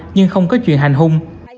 nhưng không có chuyện hành hung